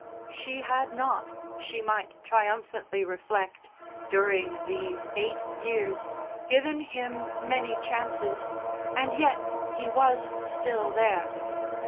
She had not, she might triumphantly reflect, during these eight years, given Him many chances, and yet He was still there.